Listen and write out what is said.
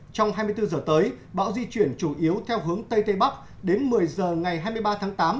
trong hai mươi bốn giờ tới bão di chuyển chủ yếu theo hướng tây tây bắc đến một mươi giờ ngày hai mươi ba tháng tám